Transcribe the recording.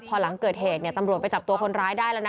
พอหลังเกิดเหตุเนี่ยตำรวจไปจับตัวคนร้ายได้แล้วนะ